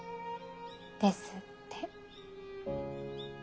ですって。